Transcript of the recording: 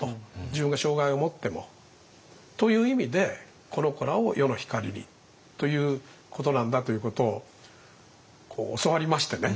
自分が障害をもっても。という意味で「この子らを世の光りに」ということなんだということを教わりましてね。